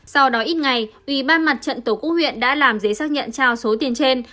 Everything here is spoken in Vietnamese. sau đó ít ngày ủy ban mặt trận tổ quốc huyện đã làm giấy xác nhận trao số tiền trên